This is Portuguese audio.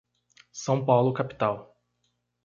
São Paulo capital.